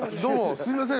すいません。